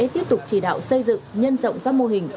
tiếp tục chỉ đạo xây dựng nhân rộng các mô hình